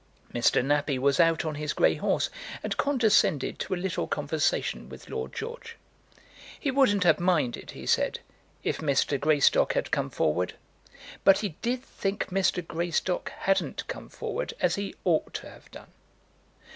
Mr. Nappie was out on his grey horse, and condescended to a little conversation with Lord George. He wouldn't have minded, he said, if Mr. Greystock had come forward; but he did think Mr. Greystock hadn't come forward as he ought to have done.